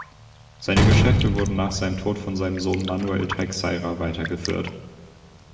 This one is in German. Seine Geschäfte wurden nach seinem Tod von seinem Sohn Manuel Teixeira weitergeführt.